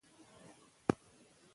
ښوونځې تللې مور د تودوخې اندازه کوي.